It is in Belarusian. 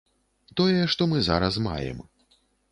Тое, што мы зараз маем.